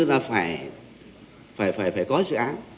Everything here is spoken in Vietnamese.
là phải có dự án